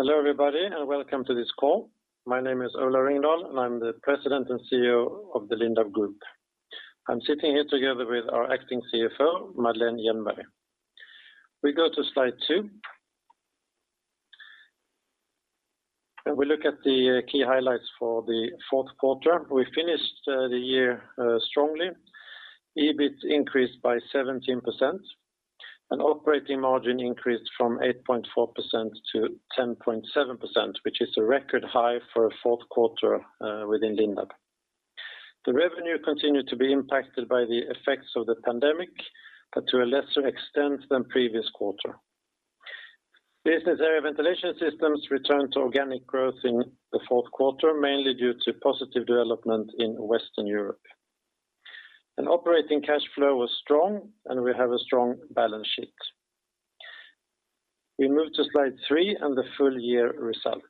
Hello everybody, and welcome to this call. My name is Ola Ringdahl, and I'm the President and CEO of the Lindab Group. I'm sitting here together with our acting CFO, Madeleine Hjelmberg. We go to Slide two. We look at the key highlights for the fourth quarter. We finished the year strongly. EBIT increased by 17%, and operating margin increased from 8.4%-10.7%, which is a record high for a fourth quarter within Lindab. The revenue continued to be impacted by the effects of the pandemic, but to a lesser extent than previous quarter. Business area Ventilation Systems returned to organic growth in the fourth quarter, mainly due to positive development in Western Europe. Operating cash flow was strong, and we have a strong balance sheet. We move to Slide three and the full-year results.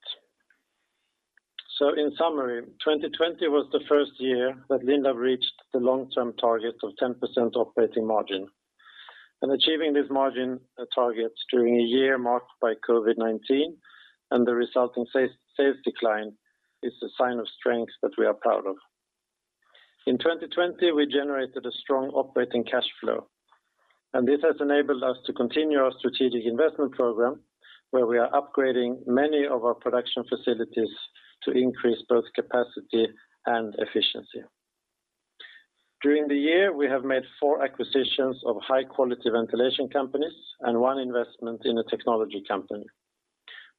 In summary, 2020 was the first year that Lindab reached the long-term target of 10% operating margin, and achieving this margin target during a year marked by COVID-19 and the resulting sales decline is a sign of strength that we are proud of. In 2020, we generated a strong operating cash flow, and this has enabled us to continue our strategic investment program, where we are upgrading many of our production facilities to increase both capacity and efficiency. During the year, we have made four acquisitions of high-quality ventilation companies and one investment in a technology company.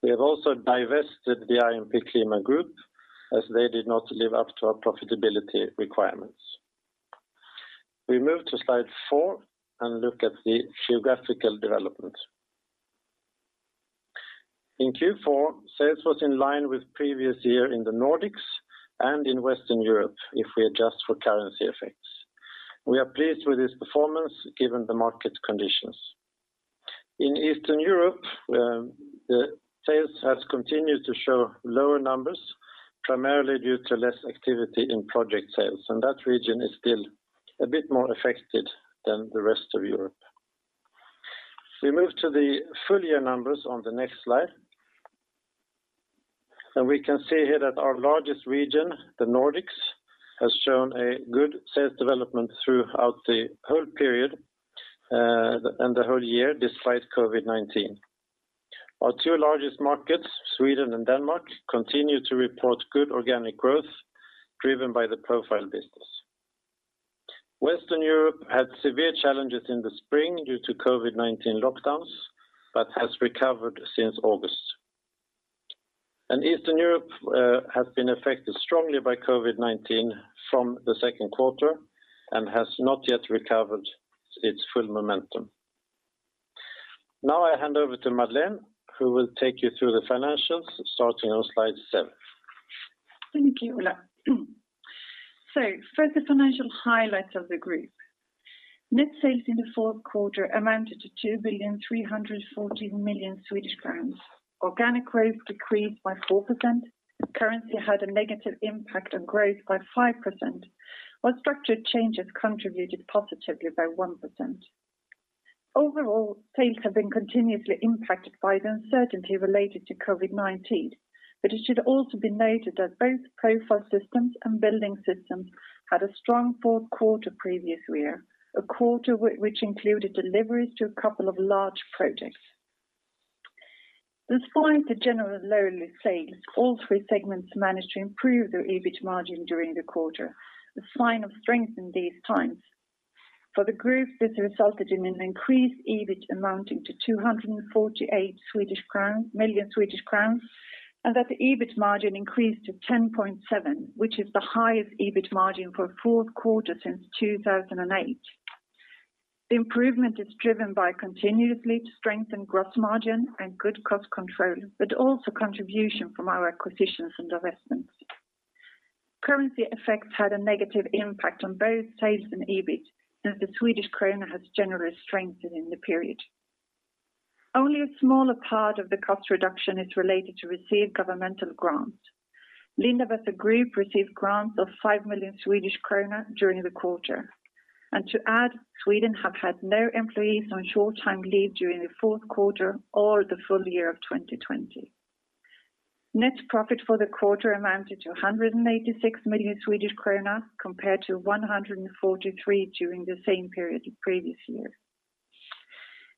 We have also divested the IMP Klima Group, as they did not live up to our profitability requirements. We move to Slide four and look at the geographical development. In Q4, sales was in line with previous year in the Nordics and in Western Europe if we adjust for currency effects. We are pleased with this performance given the market conditions. In Eastern Europe, sales has continued to show lower numbers, primarily due to less activity in project sales, and that region is still a bit more affected than the rest of Europe. We move to the full-year numbers on the next slide. We can see here that our largest region, the Nordics, has shown a good sales development throughout the whole period, and the whole year despite COVID-19. Our two largest markets, Sweden and Denmark, continue to report good organic growth driven by the Profile business. Western Europe had severe challenges in the spring due to COVID-19 lockdowns, but has recovered since August. Eastern Europe has been affected strongly by COVID-19 from the second quarter and has not yet recovered its full momentum. Now I hand over to Madeleine, who will take you through the financials starting on Slide seven. Thank you, Ola. First, the financial highlights of the group. Net sales in the fourth quarter amounted to 2,340,000,000 Swedish crowns. Organic growth decreased by 4%. Currency had a negative impact on growth by 5%, while structured changes contributed positively by 1%. Overall, sales have been continuously impacted by the uncertainty related to COVID-19. It should also be noted that both Profile Systems and Building Systems had a strong fourth quarter previous year, a quarter which included deliveries to a couple of large projects. Despite the general lower sales, all three segments managed to improve their EBIT margin during the quarter, a sign of strength in these times. For the group, this resulted in an increased EBIT amounting to 248 million Swedish crowns. The EBIT margin increased to 10.7%, which is the highest EBIT margin for a fourth quarter since 2008. The improvement is driven by continuously strengthened gross margin and good cost control, also contribution from our acquisitions and divestments. Currency effects had a negative impact on both sales and EBIT, since the SEK has generally strengthened in the period. Only a smaller part of the cost reduction is related to received governmental grants. Lindab as a group received grants of 5 million Swedish kronor during the quarter, to add, Sweden have had no employees on short-time leave during the fourth quarter or the full-year of 2020. Net profit for the quarter amounted to 186 million Swedish krona, compared to 143 million during the same period the previous year.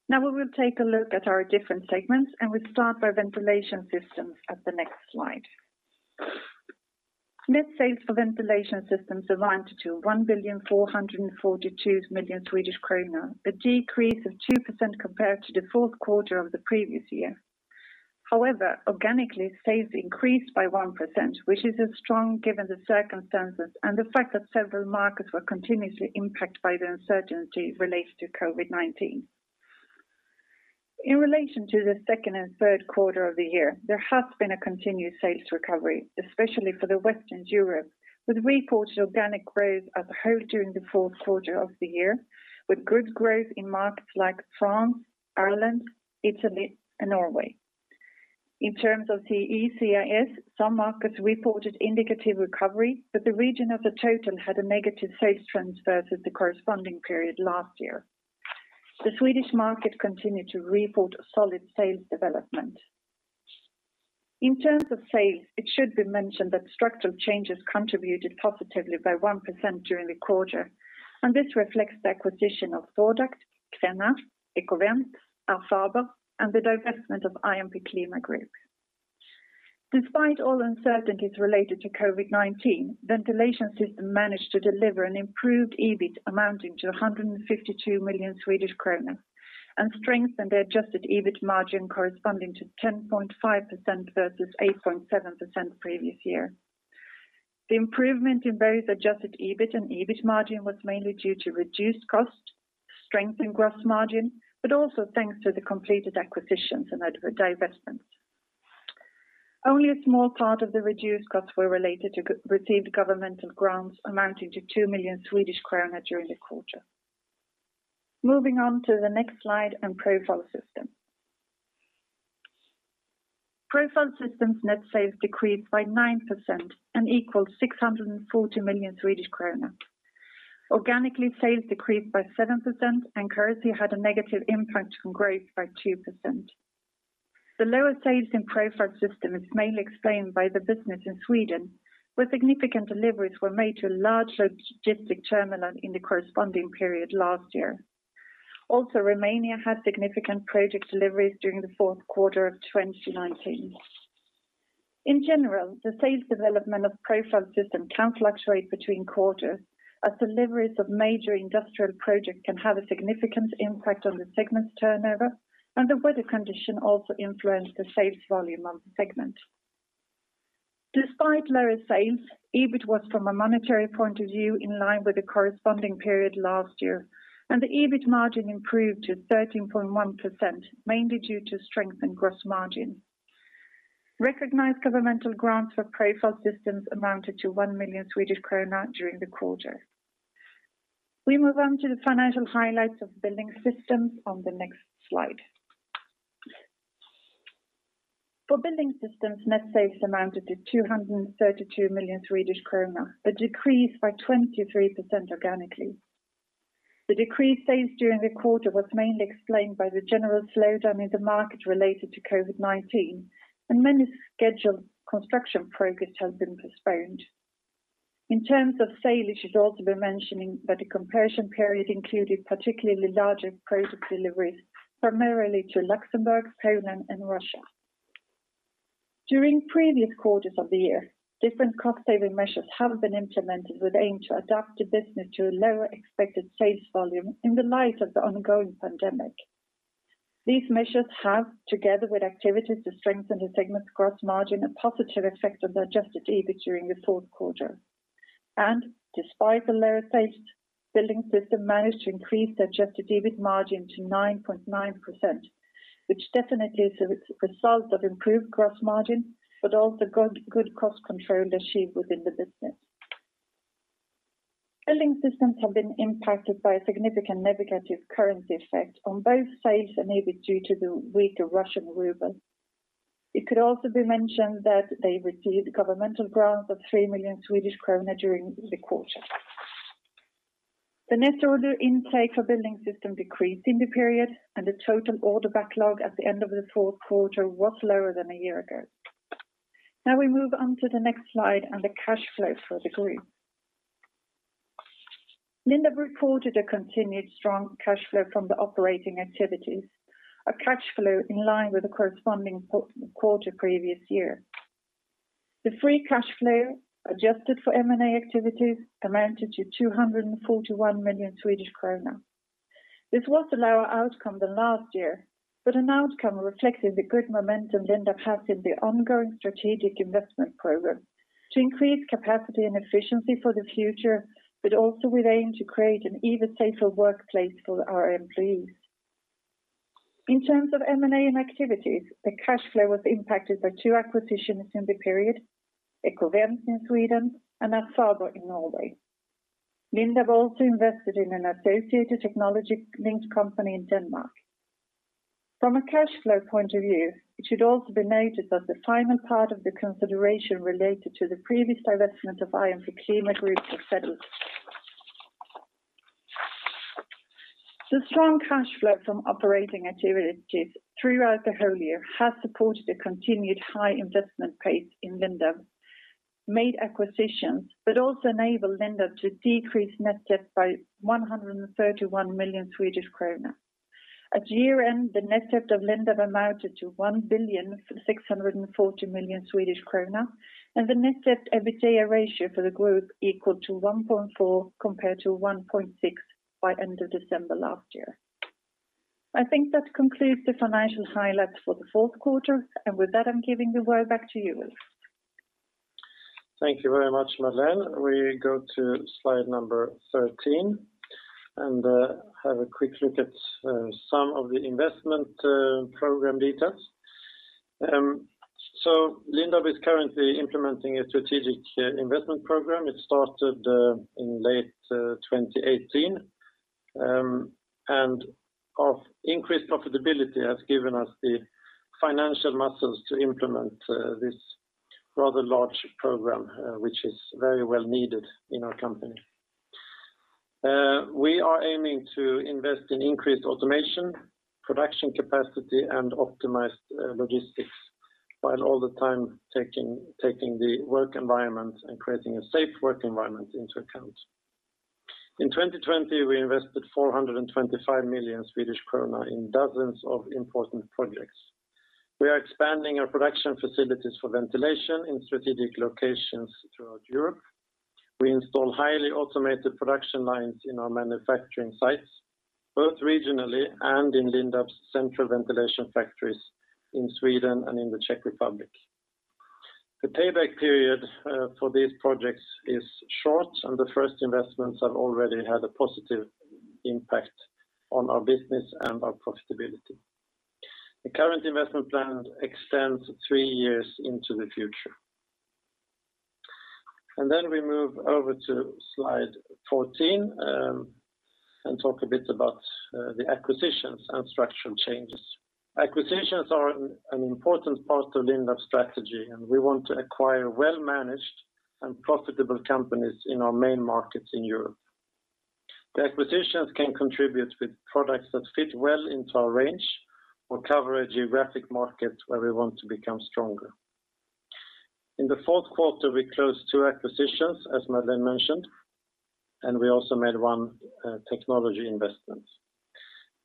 Now we will take a look at our different segments, we start by Ventilation Systems at the next slide. Net sales for Ventilation Systems amounted to 1,442,000,000 Swedish kronor, a decrease of 2% compared to the fourth quarter of the previous year. However, organically, sales increased by 1%, which is strong given the circumstances and the fact that several markets were continuously impacted by the uncertainty related to COVID-19. In relation to the second and third quarter of the year, there has been a continued sales recovery, especially for the Western Europe, with reported organic growth as a whole during the fourth quarter of the year, with good growth in markets like France, Ireland, Italy, and Norway. In terms of CEE/CIS, some markets reported indicative recovery, but the region as a total had a negative sales trend versus the corresponding period last year. The Swedish market continued to report a solid sales development. In terms of sales, it should be mentioned that structural changes contributed positively by 1% during the quarter, and this reflects the acquisition of Thor Duct, Crenna, Ekovent, Aer Faber, and the divestment of IMP Klima Group. Despite all uncertainties related to COVID-19, Ventilation Systems managed to deliver an improved EBIT amounting to 152 million Swedish kronor, and strengthened the adjusted EBIT margin corresponding to 10.5% versus 8.7% the previous year. The improvement in both adjusted EBIT and EBIT margin was mainly due to reduced cost, strengthened gross margin, but also thanks to the completed acquisitions and divestments. Only a small part of the reduced costs were related to received governmental grants amounting to 2 million Swedish kronor during the quarter. Moving on to the next slide on Profile Systems. Profile Systems' net sales decreased by 9% and equaled 640 million Swedish kronor. Organically, sales decreased by 7%, and currency had a negative impact on growth by 2%. The lower sales in Profile Systems is mainly explained by the business in Sweden, where significant deliveries were made to a large logistic terminal in the corresponding period last year. Also, Romania had significant project deliveries during the fourth quarter of 2019. In general, the sales development of Profile Systems can fluctuate between quarters, as deliveries of major industrial projects can have a significant impact on the segment's turnover, and the weather condition also influenced the sales volume of the segment. Despite lower sales, EBIT was, from a monetary point of view, in line with the corresponding period last year, and the EBIT margin improved to 13.1%, mainly due to strength in gross margin. Recognized governmental grants for Profile Systems amounted to 1 million Swedish krona during the quarter. We move on to the financial highlights of Building Systems on the next slide. For Building Systems, net sales amounted to 232 million Swedish kronor, but decreased by 23% organically. The decreased sales during the quarter was mainly explained by the general slowdown in the market related to COVID-19, and many scheduled construction projects has been postponed. In terms of sales, it should also be mentioned that the comparison period included particularly larger project deliveries, primarily to Luxembourg, Poland, and Russia. During previous quarters of the year, different cost-saving measures have been implemented with aim to adapt the business to a lower expected sales volume in light of the ongoing pandemic. These measures have, together with activities to strengthen the segment's gross margin, a positive effect on the adjusted EBIT during the fourth quarter. Despite the lower sales, Building Systems managed to increase the adjusted EBIT margin to 9.9%, which definitely is a result of improved gross margin, but also good cost control achieved within the business. Building Systems have been impacted by a significant negative currency effect on both sales and EBIT due to the weaker Russian ruble. It could also be mentioned that they received governmental grants of 3 million Swedish kronor during the quarter. The net order intake for Building Systems decreased in the period, and the total order backlog at the end of the fourth quarter was lower than a year ago. We move on to the next slide and the cash flow for the group. Lindab reported a continued strong cash flow from the operating activities, a cash flow in line with the corresponding quarter the previous year. The free cash flow, adjusted for M&A activities, amounted to 241 million Swedish kronor. This was a lower outcome than last year, but an outcome reflecting the good momentum Lindab has in the ongoing strategic investment program to increase capacity and efficiency for the future, but also with aim to create an even safer workplace for our employees. In terms of M&A and activities, the cash flow was impacted by two acquisitions in the period, Ekovent in Sweden and Aer Faber in Norway. Lindab also invested in an associated technology-linked company in Denmark. From a cash flow point of view, it should also be noted that the final part of the consideration related to the previous divestment of IMP Klima Group was settled. The strong cash flow from operating activities throughout the whole year has supported a continued high investment pace in Lindab made acquisitions, but also enabled Lindab to decrease net debt by 131 million Swedish kronor. At year-end, the net debt of Lindab amounted to SEK 1.64 billion and the net debt/EBITDA ratio for the group equaled to 1.4 compared to 1.6 by end of December last year. I think that concludes the financial highlights for the fourth quarter. With that, I'm giving the word back to you, Ola. Thank you very much, Madeleine. We go to Slide number 13 and have a quick look at some of the investment program details. Lindab is currently implementing a strategic investment program. It started in late 2018, increased profitability has given us the financial muscles to implement this rather large program, which is very well needed in our company. We are aiming to invest in increased automation, production capacity, and optimized logistics, while all the time taking the work environment and creating a safe work environment into account. In 2020, we invested 425 million Swedish krona in dozens of important projects. We are expanding our production facilities for ventilation in strategic locations throughout Europe. We install highly automated production lines in our manufacturing sites, both regionally and in Lindab's central ventilation factories in Sweden and in the Czech Republic. The payback period for these projects is short, and the first investments have already had a positive impact on our business and our profitability. The current investment plan extends three years into the future. Then we move over to Slide 14, and talk a bit about the acquisitions and structural changes. Acquisitions are an important part of Lindab's strategy, and we want to acquire well-managed and profitable companies in our main markets in Europe. The acquisitions can contribute with products that fit well into our range or cover a geographic market where we want to become stronger. In the fourth quarter, we closed two acquisitions, as Madeleine mentioned, and we also made one technology investment.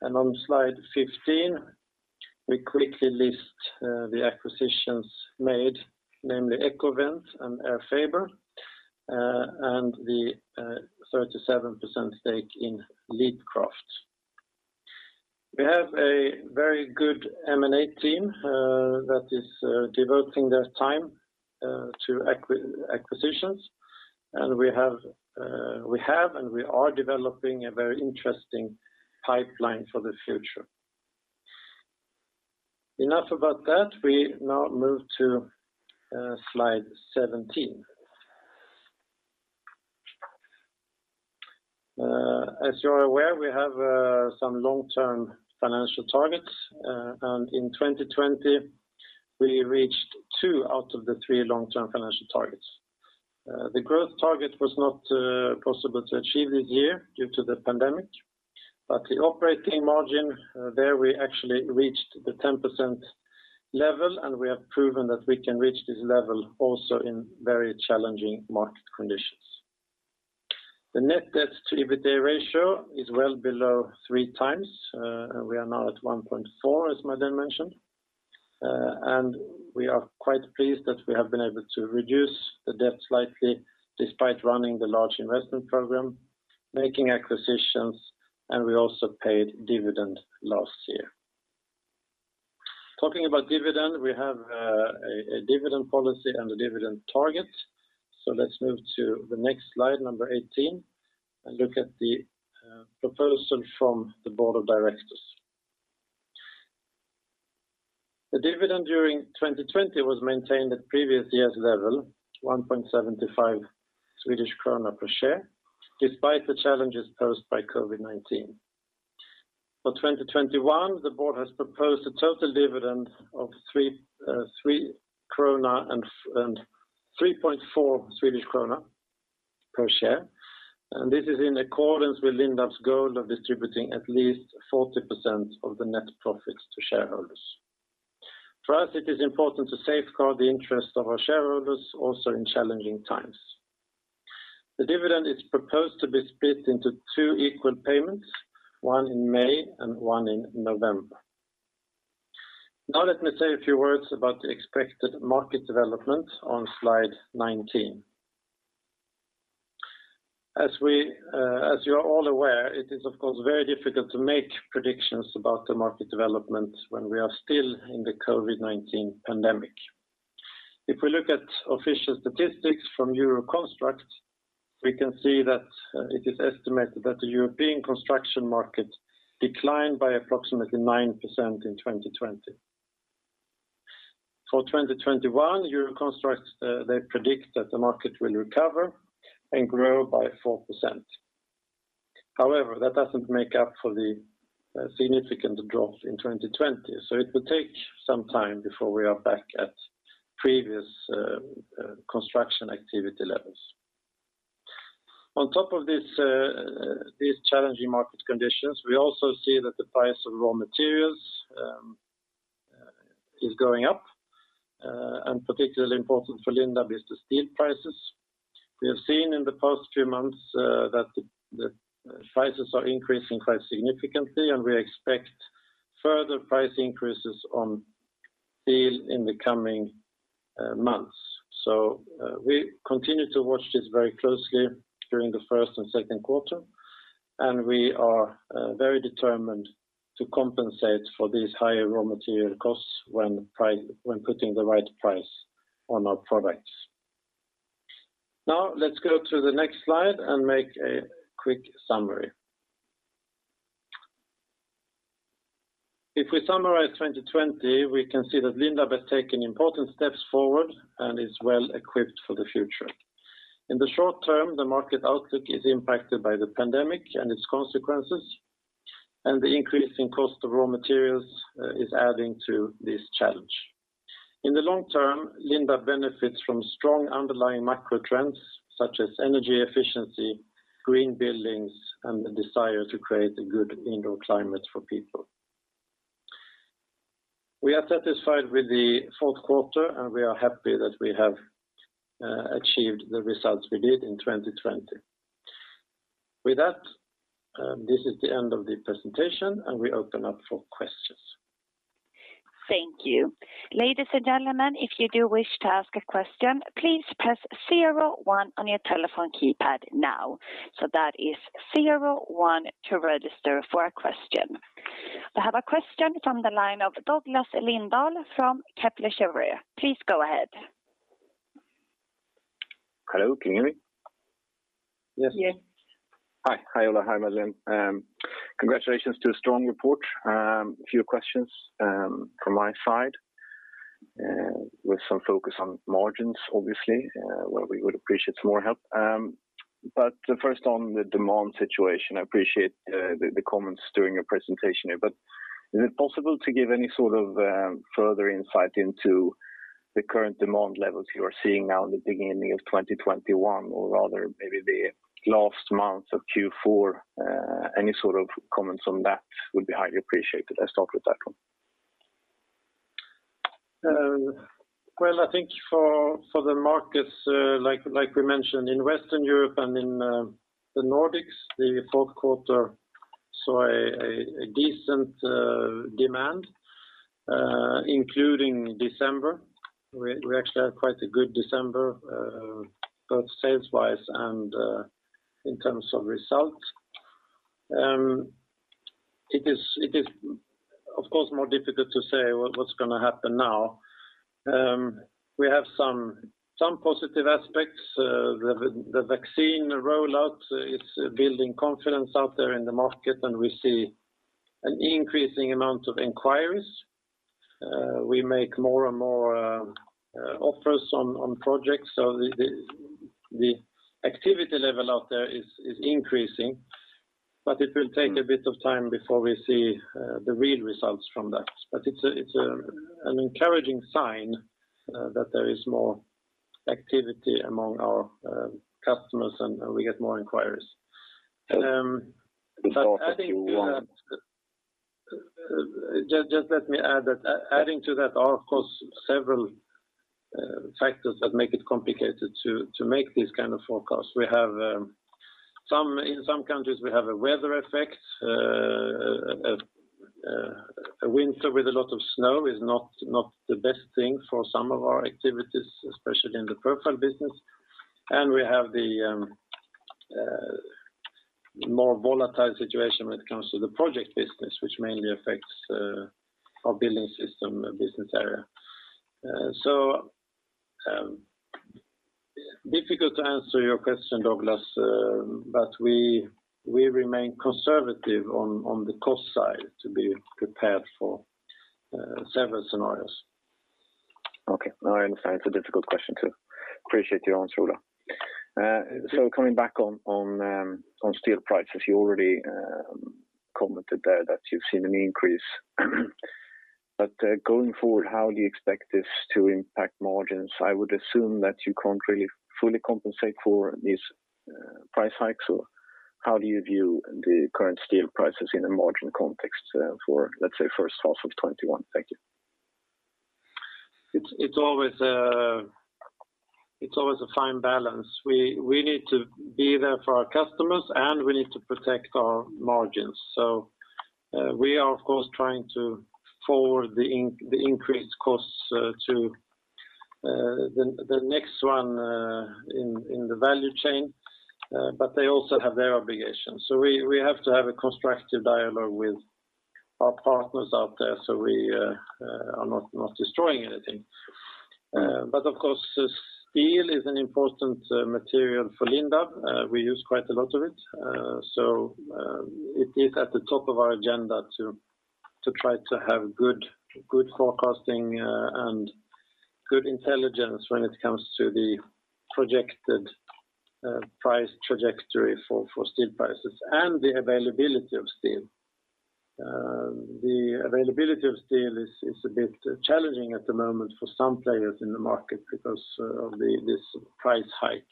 On Slide 15, we quickly list the acquisitions made, namely Ekovent and Aer Faber, and the 37% stake in Leapcraft. We have a very good M&A team that is devoting their time to acquisitions. We are developing a very interesting pipeline for the future. Enough about that. We now move to Slide 17. As you are aware, we have some long-term financial targets, and in 2020, we reached two out of the three long-term financial targets. The growth target was not possible to achieve this year due to the pandemic, but the operating margin, there we actually reached the 10% level, and we have proven that we can reach this level also in very challenging market conditions. The net debt to EBITDA ratio is well below three times. We are now at 1.4, as Madeleine Hjelmberg mentioned. We are quite pleased that we have been able to reduce the debt slightly despite running the large investment program, making acquisitions, and we also paid dividend last year. Talking about dividend, we have a dividend policy and a dividend target. Let's move to the next Slide, number 18, and look at the proposal from the board of directors. The dividend during 2020 was maintained at previous year's level, 1.75 Swedish krona per share, despite the challenges posed by COVID-19. For 2021, the board has proposed a total dividend of 3.4 Swedish krona per share. This is in accordance with Lindab's goal of distributing at least 40% of the net profits to shareholders. For us, it is important to safeguard the interest of our shareholders also in challenging times. The dividend is proposed to be split into two equal payments, one in May and one in November. Let me say a few words about the expected market development on Slide 19. As you are all aware, it is, of course, very difficult to make predictions about the market development when we are still in the COVID-19 pandemic. If we look at official statistics from Euroconstruct, we can see that it is estimated that the European construction market declined by approximately 9% in 2020. For 2021, Euroconstruct, they predict that the market will recover and grow by 4%. That doesn't make up for the significant drop in 2020, so it will take some time before we are back at previous construction activity levels. On top of these challenging market conditions, we also see that the price of raw materials is going up, and particularly important for Lindab is the steel prices. We have seen in the past few months that the prices are increasing quite significantly, and we expect further price increases on steel in the coming months. We continue to watch this very closely during the first and second quarter, and we are very determined to compensate for these higher raw material costs when putting the right price on our products. Let's go to the next slide and make a quick summary. If we summarize 2020, we can see that Lindab has taken important steps forward and is well equipped for the future. In the short term, the market outlook is impacted by the pandemic and its consequences. The increase in cost of raw materials is adding to this challenge. In the long term, Lindab benefits from strong underlying macro trends such as energy efficiency, green buildings, and the desire to create a good indoor climate for people. We are satisfied with the fourth quarter, and we are happy that we have achieved the results we did in 2020. With that, this is the end of the presentation, and we open up for questions. Thank you. Ladies and gentlemen, if you do wish to ask a question, please press zero one on your telephone keypad now. That is zero one to register for a question. I have a question from the line of Douglas Lindahl from Kepler Cheuvreux. Please go ahead. Hello, can you hear me? Yes. Yes. Hi. Hi, Ola. Hi, Madeleine. Congratulations to a strong report. A few questions from my side with some focus on margins, obviously, where we would appreciate some more help. First, on the demand situation, I appreciate the comments during your presentation here, is it possible to give any sort of further insight into the current demand levels you are seeing now in the beginning of 2021 or rather maybe the last months of Q4? Any sort of comments on that would be highly appreciated. Let's start with that one. I think for the markets, like we mentioned, in Western Europe and in the Nordics, the fourth quarter saw a decent demand, including December. We actually had quite a good December, both sales-wise and in terms of results. It is of course, more difficult to say what's going to happen now. We have some positive aspects. The vaccine rollout is building confidence out there in the market, and we see an increasing amount of inquiries. We make more and more offers on projects. The activity level out there is increasing, but it will take a bit of time before we see the real results from that. It's an encouraging sign that there is more activity among our customers, and we get more inquiries. In the start of Q1? Just let me add that, adding to that, are, of course, several factors that make it complicated to make these kind of forecasts. In some countries, we have a weather effect. A winter with a lot of snow is not the best thing for some of our activities, especially in the Profile business. We have the more volatile situation when it comes to the project business, which mainly affects our Building Systems business area. Difficult to answer your question, Douglas, but we remain conservative on the cost side to be prepared for several scenarios. Okay. No, I understand it's a difficult question too. Appreciate your answer, Ola. Coming back on steel prices, you already commented there that you've seen an increase. Going forward, how do you expect this to impact margins? I would assume that you can't really fully compensate for these price hikes. How do you view the current steel prices in a margin context for, let's say, first half of 2021? Thank you. It's always a fine balance. We need to be there for our customers, and we need to protect our margins. We are, of course, trying to forward the increased costs to the next one in the value chain, but they also have their obligations. We have to have a constructive dialogue with our partners out there so we are not destroying anything. Of course, steel is an important material for Lindab. We use quite a lot of it. It is at the top of our agenda to try to have good forecasting and good intelligence when it comes to the projected price trajectory for steel prices and the availability of steel. The availability of steel is a bit challenging at the moment for some players in the market because of this price hike.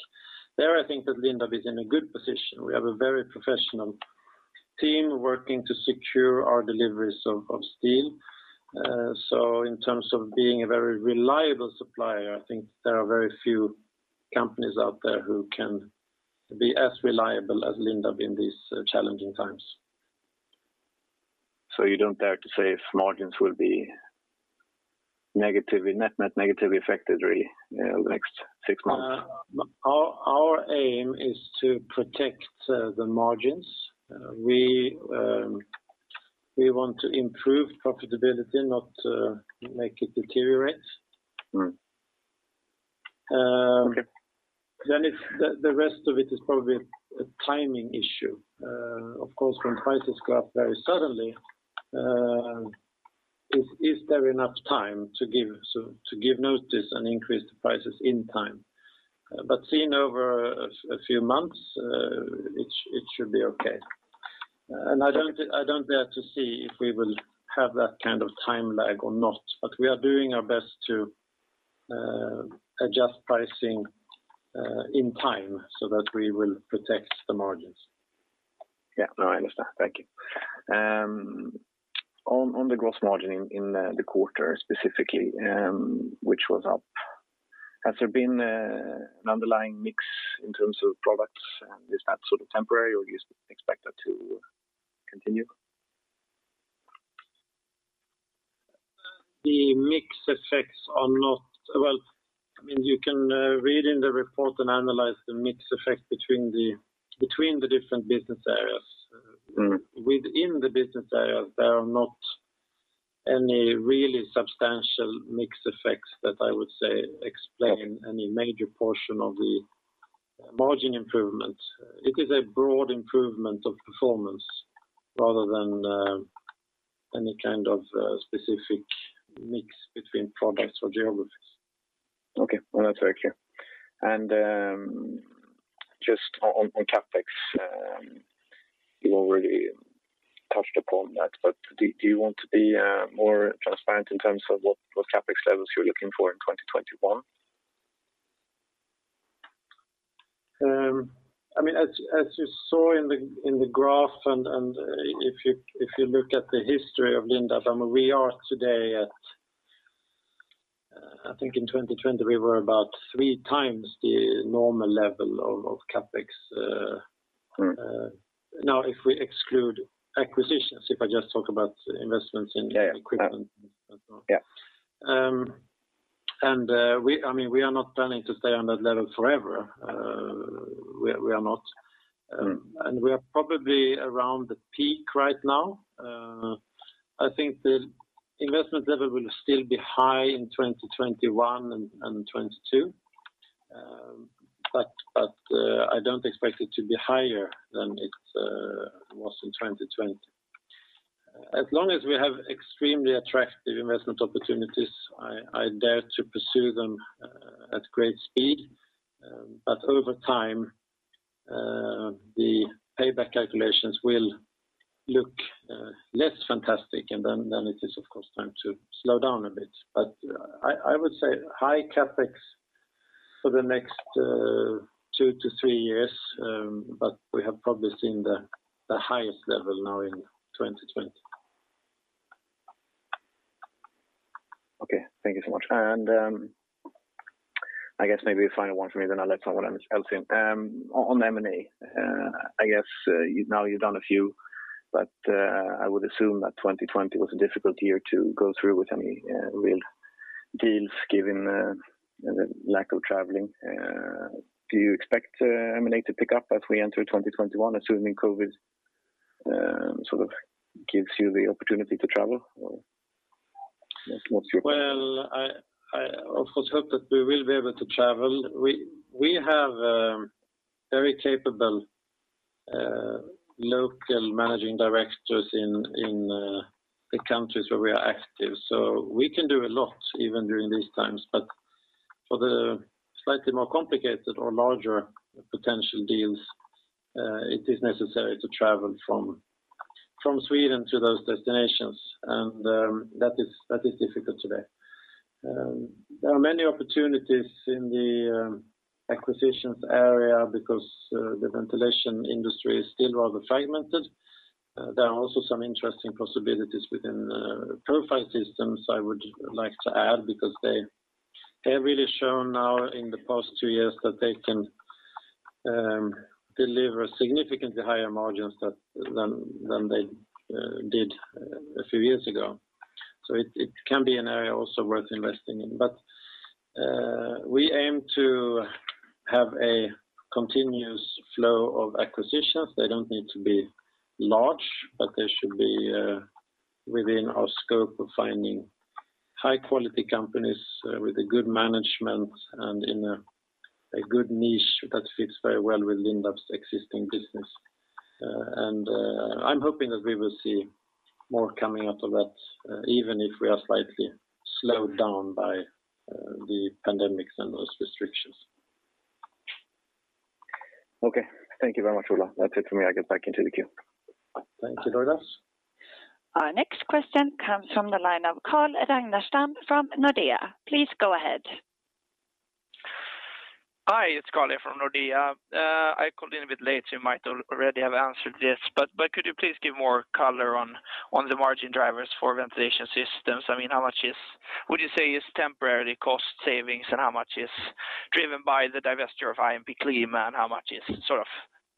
There, I think that Lindab is in a good position. We have a very professional team working to secure our deliveries of steel. In terms of being a very reliable supplier, I think there are very few companies out there who can be as reliable as Lindab in these challenging times. You don't dare to say if margins will be negatively affected, really, in the next six months? Our aim is to protect the margins. We want to improve profitability, not make it deteriorate. Right. Okay. The rest of it is probably a timing issue. Of course, when prices go up very suddenly. Is there enough time to give notice and increase the prices in time? Seen over a few months, it should be okay. I don't dare to see if we will have that kind of time lag or not, but we are doing our best to adjust pricing in time so that we will protect the margins. Yeah. No, I understand. Thank you. On the gross margin in the quarter specifically, which was up, has there been an underlying mix in terms of products? Is that temporary, or do you expect that to continue? You can read in the report and analyze the mix effect between the different business areas. Within the business areas, there are not any really substantial mix effects that I would say explain any major portion of the margin improvement. It is a broad improvement of performance rather than any kind of specific mix between products or geographies. No, that's very clear. Just on CapEx, you already touched upon that, but do you want to be more transparent in terms of what CapEx levels you're looking for in 2021? As you saw in the graph and if you look at the history of Lindab, we are today I think in 2020, we were about three times the normal level of CapEx. Now, if we exclude acquisitions, if I just talk about investments in equipment. Yeah. We are not planning to stay on that level forever. We are not. We are probably around the peak right now. I think the investment level will still be high in 2021 and 2022. I don't expect it to be higher than it was in 2020. As long as we have extremely attractive investment opportunities, I dare to pursue them at great speed. Over time, the payback calculations will look less fantastic, and then it is, of course, time to slow down a bit. I would say high CapEx for the next two to three years, but we have probably seen the highest level now in 2020. Okay. Thank you so much. I guess maybe a final one from me, then I'll let someone else in. On M&A, I guess now you've done a few, but I would assume that 2020 was a difficult year to go through with any real deals given the lack of traveling. Do you expect M&A to pick up as we enter 2021, assuming COVID gives you the opportunity to travel, or what's your plan? I of course hope that we will be able to travel. We have very capable local managing directors in the countries where we are active, so we can do a lot even during these times, but for the slightly more complicated or larger potential deals, it is necessary to travel from Sweden to those destinations. That is difficult today. There are many opportunities in the acquisitions area because the ventilation industry is still rather fragmented. There are also some interesting possibilities within Profile Systems, I would like to add, because they have really shown now in the past two years that they can deliver significantly higher margins than they did a few years ago. It can be an area also worth investing in. We aim to have a continuous flow of acquisitions. They don't need to be large, but they should be within our scope of finding high-quality companies with a good management and in a good niche that fits very well with Lindab's existing business. I'm hoping that we will see more coming out of that, even if we are slightly slowed down by the pandemic and those restrictions. Okay. Thank you very much, Ola. That's it for me. I get back into the queue. Thank you, Douglas. Our next question comes from the line of Carl Ragnerstam from Nordea. Please go ahead. Hi, it's Carl here from Nordea. I called in a bit late, so you might already have answered this, but could you please give more color on the margin drivers for Ventilation Systems? How much would you say is temporary cost savings, and how much is driven by the divesture of IMP Klima, and how much is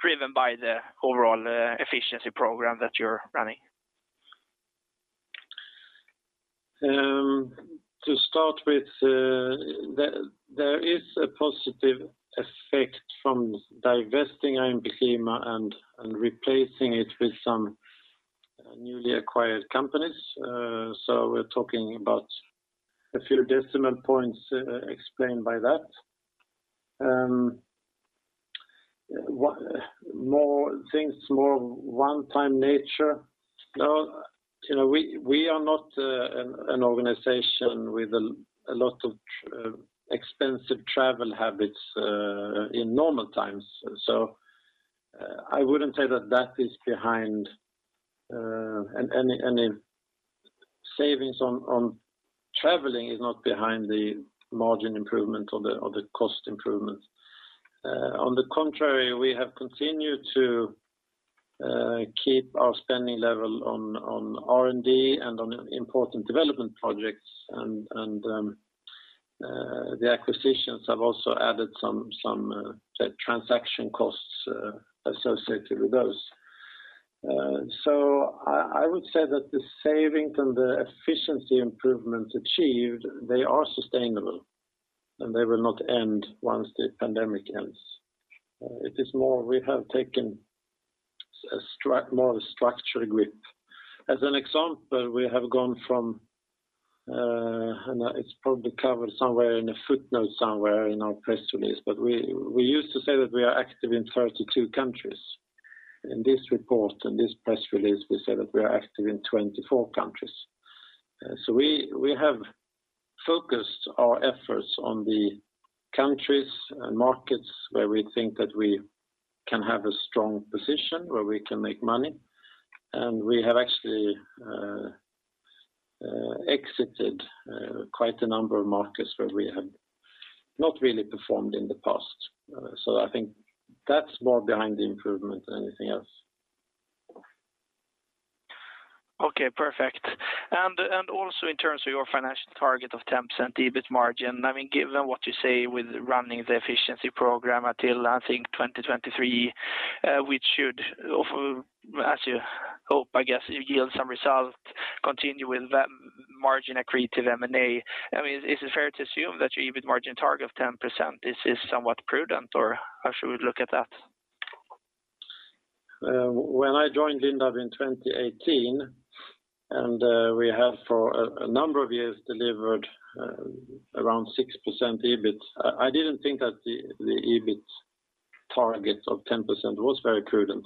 driven by the overall efficiency program that you're running? To start with, there is a positive effect from divesting IMP Klima and replacing it with some newly acquired companies. We're talking about a few decimal points explained by that. More things, more one-time nature. We are not an organization with a lot of expensive travel habits in normal times. I wouldn't say that that is behind any savings on traveling is not behind the margin improvement or the cost improvement. On the contrary, we have continued to keep our spending level on R&D and on important development projects and the acquisitions have also added some transaction costs associated with those. I would say that the savings and the efficiency improvements achieved, they are sustainable, and they will not end once the pandemic ends. It is more we have taken a more structural grip. As an example, we have gone from, and it's probably covered somewhere in a footnote somewhere in our press release, but we used to say that we are active in 32 countries. In this report and this press release, we say that we are active in 24 countries. We have focused our efforts on the countries and markets where we think that we can have a strong position, where we can make money. We have actually exited quite a number of markets where we have not really performed in the past. I think that's more behind the improvement than anything else. Okay, perfect. Also in terms of your financial target of 10% EBIT margin, given what you say with running the efficiency program until, I think, 2023 which should as you hope, I guess, yield some result, continue with that margin-accretive M&A. Is it fair to assume that your EBIT margin target of 10%, this is somewhat prudent, or how should we look at that? When I joined Lindab in 2018, and we have for a number of years delivered around 6% EBIT, I didn't think that the EBIT target of 10% was very prudent.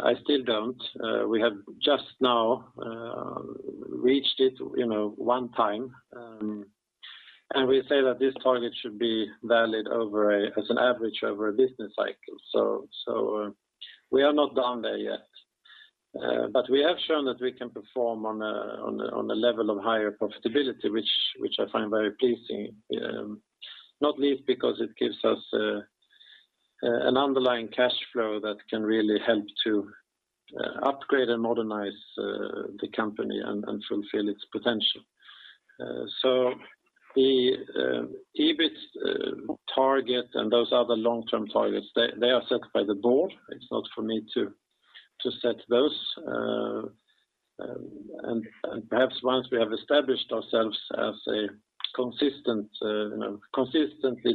I still don't. We have just now reached it one time, and we say that this target should be valid as an average over a business cycle. We are not down there yet. We have shown that we can perform on a level of higher profitability, which I find very pleasing, not least because it gives us an underlying cash flow that can really help to upgrade and modernize the company and fulfill its potential. The EBIT target and those other long-term targets, they are set by the board. It's not for me to set those. Perhaps once we have established ourselves as consistently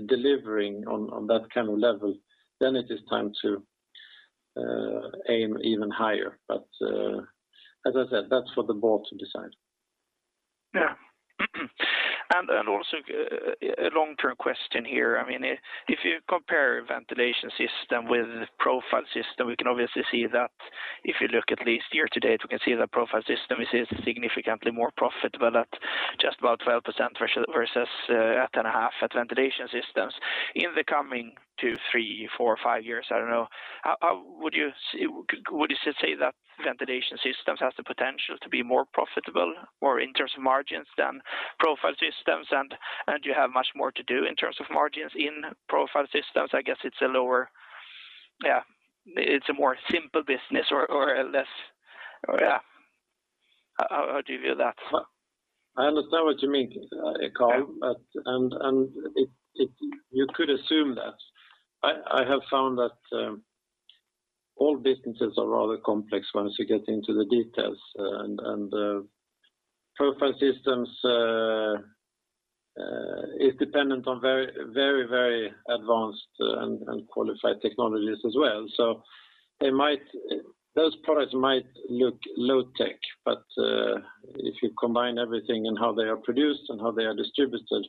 delivering on that kind of level, then it is time to aim even higher. As I said, that's for the board to decide. Yeah. Also a long-term question here. If you compare Ventilation Systems with Profile Systems, we can obviously see that if you look at least year-to-date, we can see that Profile Systems is significantly more profitable at just about 12% versus 8.5% at Ventilation Systems. In the coming two, three, four, five years, I don't know, would you say that Ventilation Systems has the potential to be more profitable, more in terms of margins than Profile Systems? Do you have much more to do in terms of margins in Profile Systems? I guess it's a more simple business or a less. How do you view that? I understand what you mean, Carl. Yeah. You could assume that. I have found that all businesses are rather complex once you get into the details. Profile Systems is dependent on very advanced and qualified technologies as well. Those products might look low tech, but if you combine everything in how they are produced and how they are distributed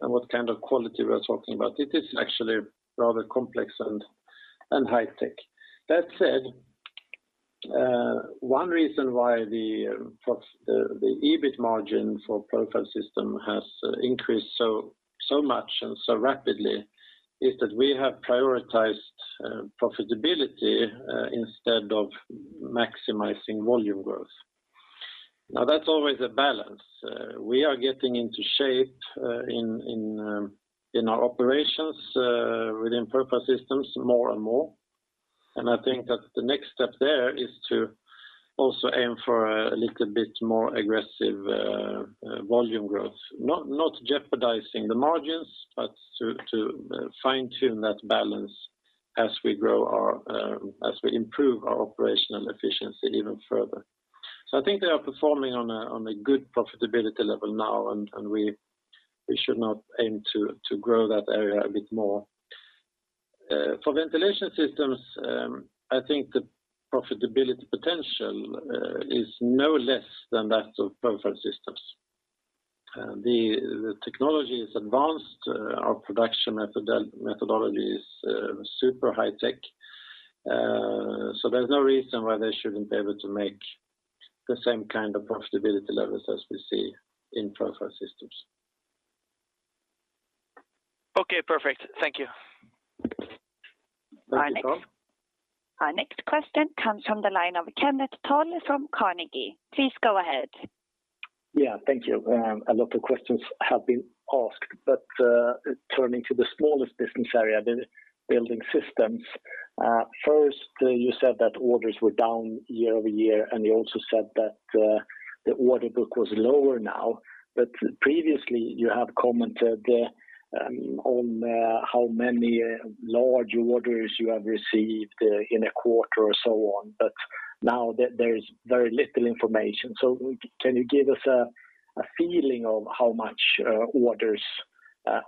and what kind of quality we're talking about, it is actually rather complex and high tech. That said, one reason why the EBIT margin for Profile Systems has increased so much and so rapidly is that we have prioritized profitability instead of maximizing volume growth. Now, that's always a balance. We are getting into shape in our operations within Profile Systems more and more. I think that the next step there is to also aim for a little bit more aggressive volume growth. Not jeopardizing the margins, but to fine-tune that balance as we improve our operational efficiency even further. I think they are performing on a good profitability level now, and we should not aim to grow that area a bit more. For Ventilation Systems, I think the profitability potential is no less than that of Profile Systems. The technology is advanced. Our production methodology is super high tech. There's no reason why they shouldn't be able to make the same kind of profitability levels as we see in Profile Systems. Okay, perfect. Thank you. Thank you, Carl. Our next question comes from the line of Kenneth Toll from Carnegie. Please go ahead. Yeah, thank you. A lot of questions have been asked. Turning to the smallest business area, the Building Systems. First, you said that orders were down year-over-year. You also said that the order book was lower now. Previously you have commented on how many large orders you have received in a quarter or so on. Now there is very little information. Can you give us a feeling of how much orders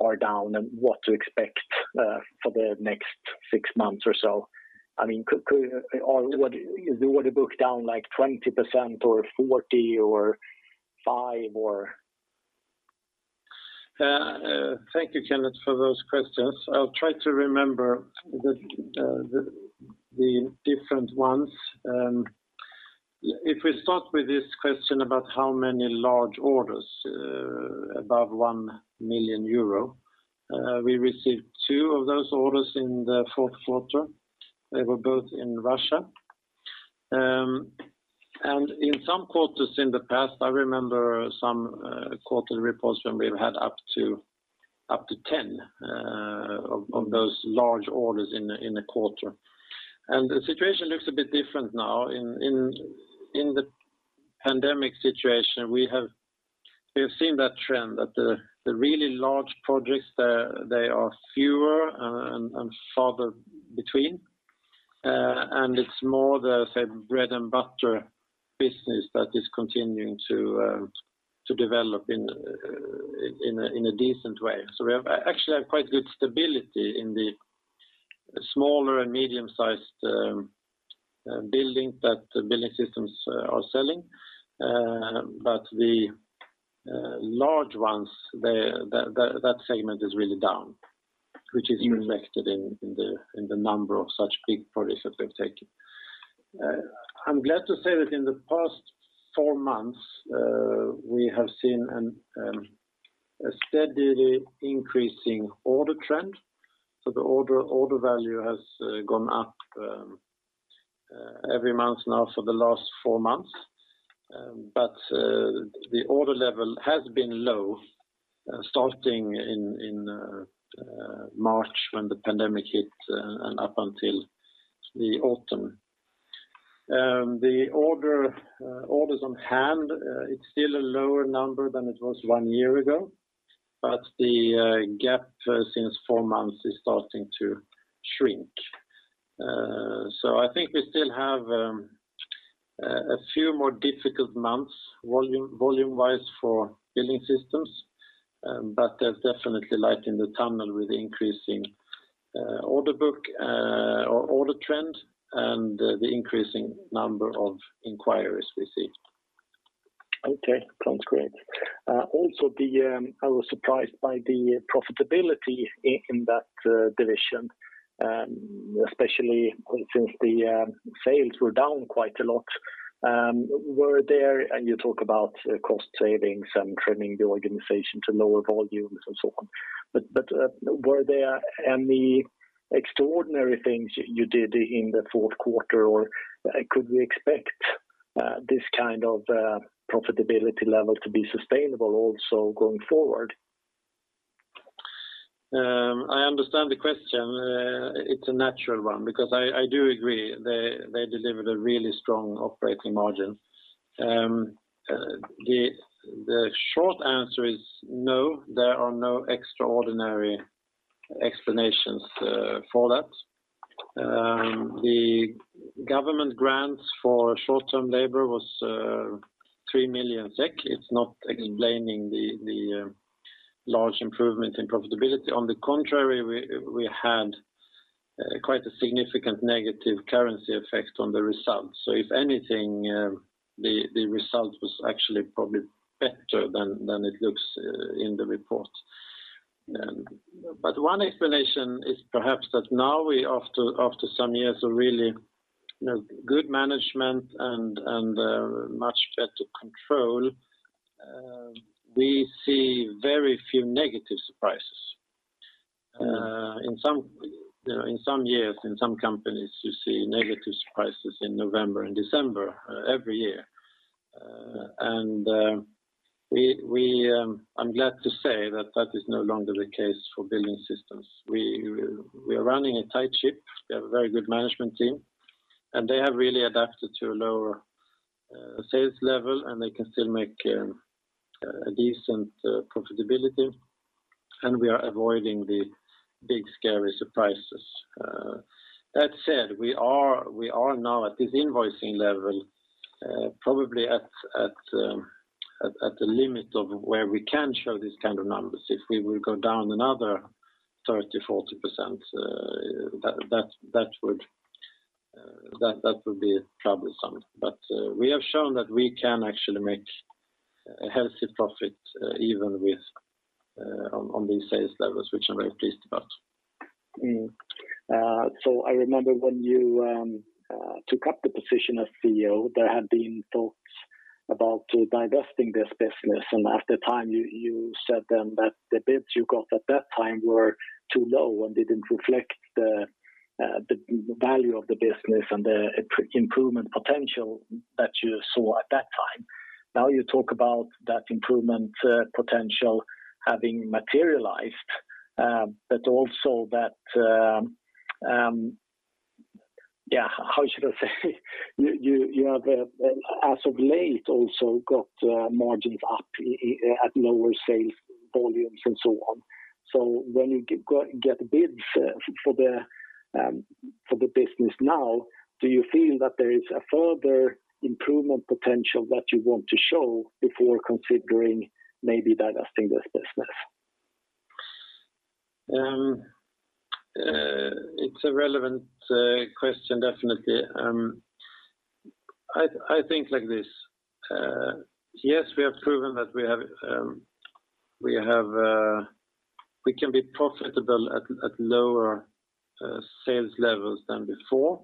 are down and what to expect for the next six months or so? Is the order book down like 20% or 40% or 5%? Thank you, Kenneth, for those questions. I'll try to remember the different ones. If we start with this question about how many large orders above 1 million euro, we received two of those orders in the fourth quarter. They were both in Russia. In some quarters in the past, I remember some quarterly reports when we've had up to 10 of those large orders in a quarter. The situation looks a bit different now in the pandemic situation. We have seen that trend, that the really large projects, they are fewer and farther between. It's more the, say, bread-and-butter business that is continuing to develop in a decent way. We actually have quite good stability in the smaller and medium-sized buildings that Building Systems are selling. The large ones, that segment is really down, which is reflected in the number of such big projects that we're taking. I'm glad to say that in the past four months, we have seen a steadily increasing order trend. The order value has gone up every month now for the last four months. The order level has been low, starting in March when the pandemic hit and up until the autumn. The orders on hand, it's still a lower number than it was one year ago, but the gap since four months is starting to shrink. I think we still have a few more difficult months volume-wise for Building Systems, but there's definitely light in the tunnel with increasing order book or order trend and the increasing number of inquiries we see. Okay, sounds great. Also, I was surprised by the profitability in that division, especially since the sales were down quite a lot. You talk about cost savings and trimming the organization to lower volumes and so on. Were there any extraordinary things you did in the fourth quarter, or could we expect this kind of profitability level to be sustainable also going forward? I understand the question. It's a natural one because I do agree, they delivered a really strong operating margin. The short answer is no, there are no extraordinary explanations for that. The government grants for short-term labor was 3 million SEK. It's not explaining the large improvement in profitability. On the contrary, we had quite a significant negative currency effect on the results. If anything, the result was actually probably better than it looks in the report. One explanation is perhaps that now after some years of really good management and much better control, we see very few negative surprises. In some years, in some companies, you see negative surprises in November and December every year. I'm glad to say that that is no longer the case for Building Systems. We are running a tight ship. We have a very good management team, and they have really adapted to a lower sales level, and they can still make a decent profitability. We are avoiding the big, scary surprises. That said, we are now at this invoicing level probably at the limit of where we can show this kind of numbers. If we will go down another 30%, 40%, that would be troublesome. We have shown that we can actually make a healthy profit even on these sales levels, which I'm very pleased about. I remember when you took up the position of CEO, there had been talks about divesting this business, and at the time you said then that the bids you got at that time were too low and didn't reflect the value of the business and the improvement potential that you saw at that time. You talk about that improvement potential having materialized, but also that, how should I say? You have, as of late, also got margins up at lower sales volumes and so on. When you get bids for the business now, do you feel that there is a further improvement potential that you want to show before considering maybe divesting this business? It's a relevant question, definitely. I think like this. Yes, we have proven that we can be profitable at lower sales levels than before.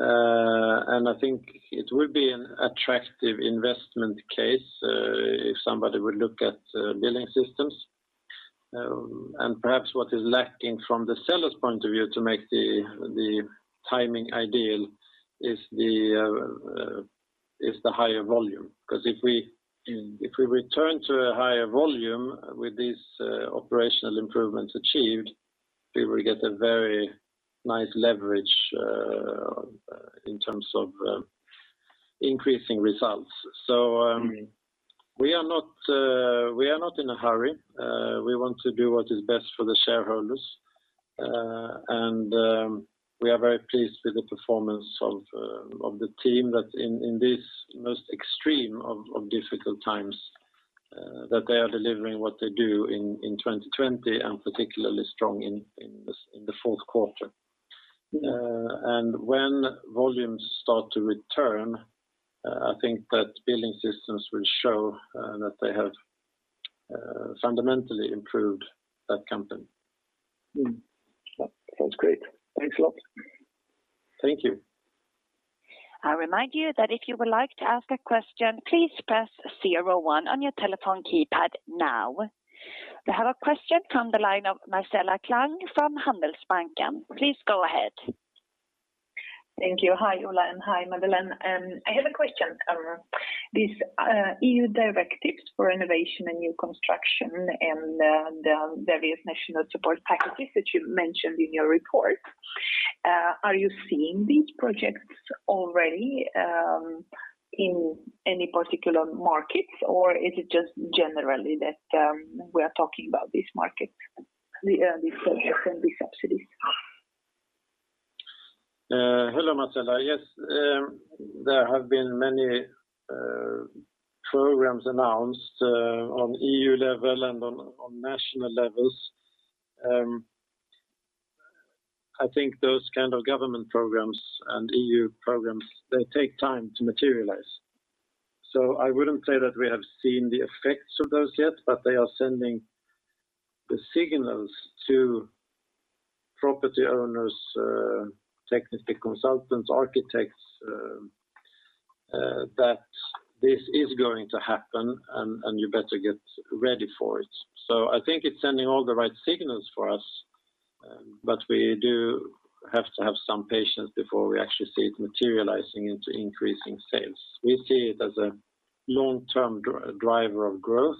I think it will be an attractive investment case if somebody would look at Building Systems. Perhaps what is lacking from the seller's point of view to make the timing ideal is the higher volume. If we return to a higher volume with these operational improvements achieved, we will get a very nice leverage in terms of increasing results. We are not in a hurry. We want to do what is best for the shareholders. We are very pleased with the performance of the team that in this most extreme of difficult times, that they are delivering what they do in 2020, and particularly strong in the fourth quarter. When volumes start to return, I think that Building Systems will show that they have fundamentally improved that company. Mm-hmm. Sounds great. Thanks a lot. Thank you. A reminder that if you would like to ask a question please press zero one now. We have a question from the line of Marcela Klang from Handelsbanken. Please go ahead. Thank you. Hi Ola and hi Madeleine. I have a question. These EU directives for renovation and new construction and the various national support packages that you mentioned in your report, are you seeing these projects already in any particular markets, or is it just generally that we are talking about these markets, these projects, and these subsidies? Hello, Marcela. Yes, there have been many programs announced on EU level and on national levels. I think those kind of government programs and EU programs, they take time to materialize. I wouldn't say that we have seen the effects of those yet, but they are sending the signals to property owners, technical consultants, architects, that this is going to happen and you better get ready for it. I think it's sending all the right signals for us, but we do have to have some patience before we actually see it materializing into increasing sales. We see it as a long-term driver of growth,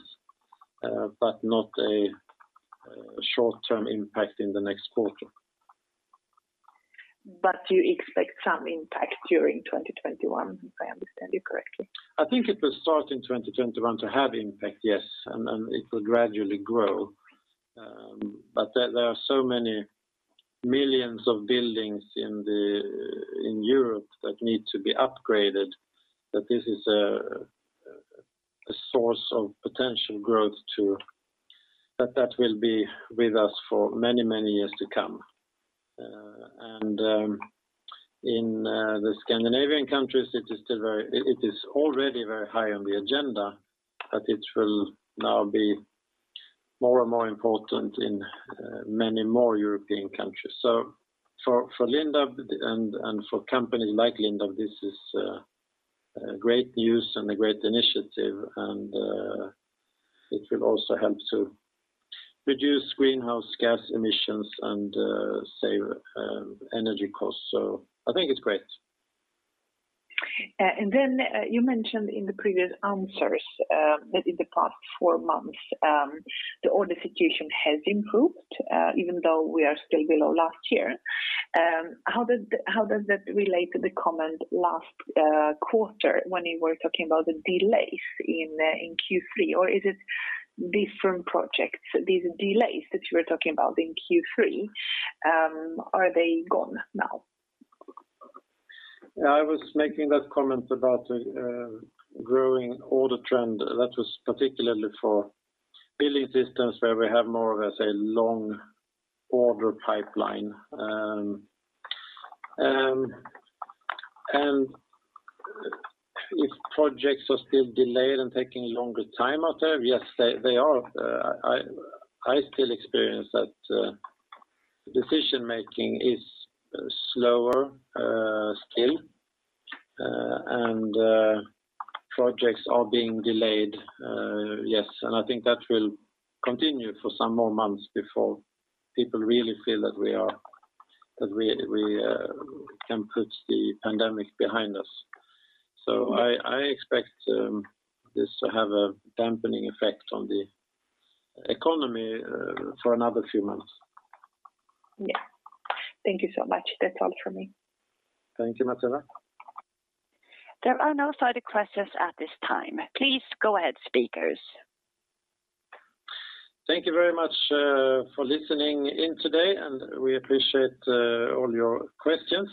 but not a short-term impact in the next quarter. You expect some impact during 2021, if I understand you correctly? I think it will start in 2021 to have impact, yes, and it will gradually grow. There are so many millions of buildings in Europe that need to be upgraded that this is a source of potential growth too, that that will be with us for many, many years to come. In the Scandinavian countries, it is already very high on the agenda, but it will now be more and more important in many more European countries. For Lindab and for companies like Lindab, this is great news and a great initiative, and it will also help to reduce greenhouse gas emissions and save energy costs. I think it's great. You mentioned in the previous answers that in the past four months the order situation has improved even though we are still below last year. How does that relate to the comment last quarter when you were talking about the delays in Q3? Is it different projects? These delays that you were talking about in Q3, are they gone now? I was making that comment about a growing order trend. That was particularly for Building Systems where we have more of a long order pipeline. If projects are still delayed and taking longer time out there, yes, they are. I still experience that decision-making is slower still, and projects are being delayed, yes. I think that will continue for some more months before people really feel that we can put the pandemic behind us. I expect this to have a dampening effect on the economy for another few months. Yeah. Thank you so much. That's all from me. Thank you, Marcela. There are no further questions at this time. Please go ahead, speakers. Thank you very much for listening in today, and we appreciate all your questions.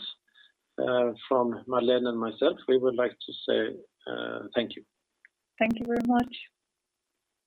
From Madeleine and myself, we would like to say thank you. Thank you very much.